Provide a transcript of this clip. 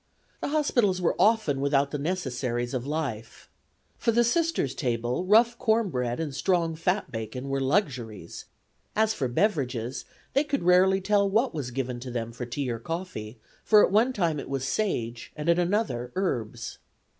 The hospitals were often without the necessaries of life. For the Sisters' table rough corn bread and strong fat bacon were luxuries; as for beverages, they could rarely tell what was given to them for tea or coffee, for at one time it was sage and at another herbs.